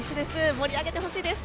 盛り上げてほしいです！